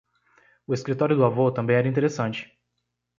O escritório do avô também era interessante.